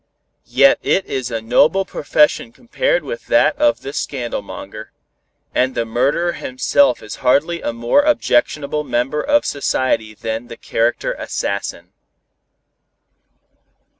Yet it is a noble profession compared with that of the scandalmonger, and the murderer himself is hardly a more objectionable member of society than the character assassin.